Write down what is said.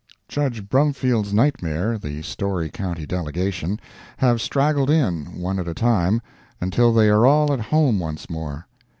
—Judge Brumfield's nightmare—the Storey county delegation—have straggled in, one at a time, until they are all at home once more.